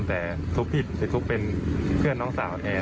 แต่ทุกข์ผิดไปทุกข์เป็นเพื่อนน้องสาวแท้